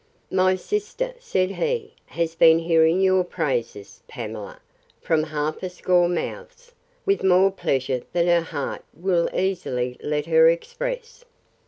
My sister, said he, has been hearing your praises, Pamela, from half a score mouths, with more pleasure than her heart will easily let her express.